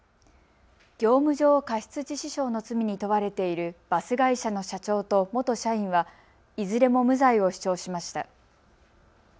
業務上過失致死傷の罪に問われているバス会社の社長と元社員はいずれも無罪を主張しました。